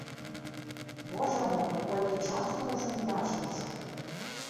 Божа мой, колькі часу мы ўжо не бачыліся!